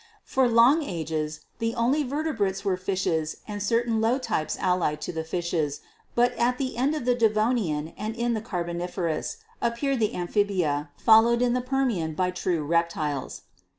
For long ages the only vertebrates were fishes and certain low types allied to the fishes, but at the end of the Devonian and in the Carboniferous ap peared the Amphibia, followed in the Permian by true Reptiles.